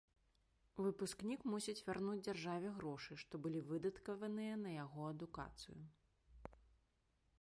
Выпускнік мусіць вярнуць дзяржаве грошы, што былі выдаткаваныя на яго адукацыю.